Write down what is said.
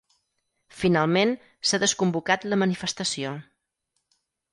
Finalment, s’ha desconvocat la manifestació.